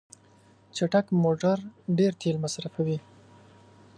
چټک موټر ډیر تېل مصرفوي.